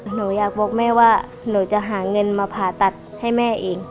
หนูอยากบอกแม่ว่าหนูจะหาเงินมาผ่าตัดให้แม่เอง